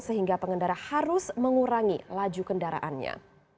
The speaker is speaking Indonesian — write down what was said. sehingga pengendara harus mengurangi laju kendaraannya